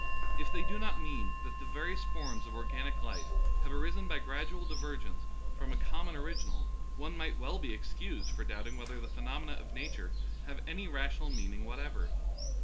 If they do not mean that the various forms of organic life have arisen by grad ual divergence from a common original, one might well be excused for doubting whether the phenomena of nature have any rational meaning whatever.